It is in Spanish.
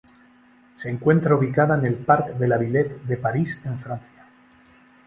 Se encuentra ubicada en el Parc de la Villette de París en Francia.